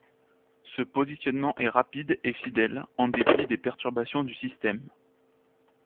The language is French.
Ce positionnement est rapide et fidèle, en dépit des perturbations du système.